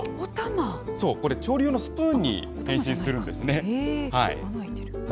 そうこれ、調理用のスプーンに変身するんですね。